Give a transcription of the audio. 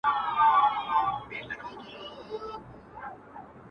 شپه او ورځ یې پر خپل ځان باندي یوه کړه!.